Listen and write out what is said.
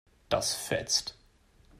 Das fetzt.